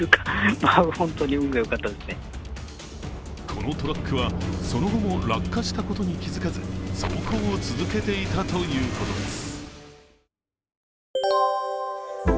このトラックは、その後も落下したことに気づかず走行を続けていたということです。